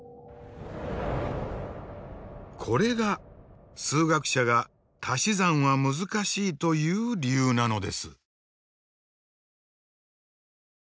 これが数学者がたし算は難しいという理由なのです。